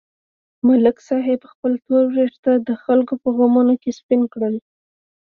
ملک صاحب خپل تور وېښته د خلکو په غمونو کې سپین کړل.